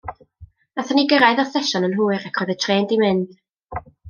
Nathon ni gyrraedd yr y stesion yn hwyr ac roedd y trên 'di mynd.